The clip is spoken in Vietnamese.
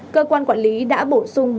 cơ quan quản lý đã bổ sung